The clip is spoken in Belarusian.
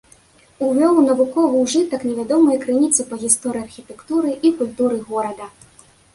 Увёў у навуковы ўжытак невядомыя крыніцы па гісторыі архітэктуры і культуры горада.